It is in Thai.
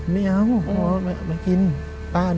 ไม่เอามากิน